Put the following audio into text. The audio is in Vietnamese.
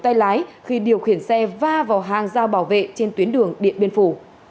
tay lái khi điều khiển xe va vào hàng giao bảo vệ trên tuyến đường điện biên phủ